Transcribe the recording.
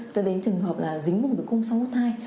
dẫn đến trường hợp là dính bùng tử cung sau hút thai